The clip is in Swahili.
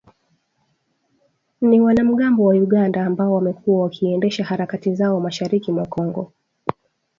ni wanamgambo wa Uganda ambao wamekuwa wakiendesha harakati zao mashariki mwa Kongo